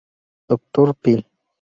Dr. phil.